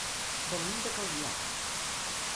Venim de Calvià.